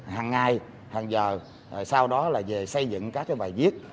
hằng ngày hằng giờ sau đó là về xây dựng các bài viết